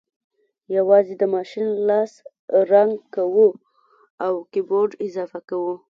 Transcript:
یوازې د ماشین لاس رنګ کوو او کیبورډ اضافه کوو